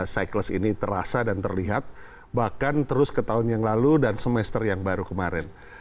cycles ini terasa dan terlihat bahkan terus ke tahun yang lalu dan semester yang baru kemarin